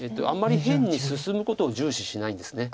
あんまり辺に進むことを重視しないんです。